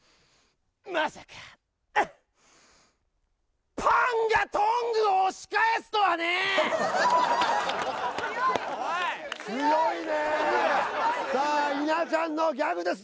まさかウッパンがトングを押し返すとはねさあ稲ちゃんのギャグです